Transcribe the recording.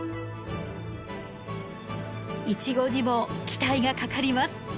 イチゴにも期待がかかります。